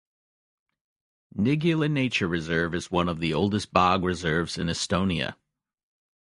Nigula nature reserve is one of the oldest bog reserves in Estonia.